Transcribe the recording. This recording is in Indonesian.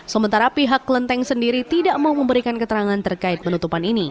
sementara pihak kelenteng sendiri tidak mau memberikan keterangan terkait penutupan ini